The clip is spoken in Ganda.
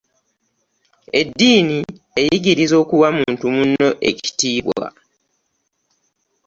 Eddiini eyigiriza okuwa muntu munno ekitiibwa.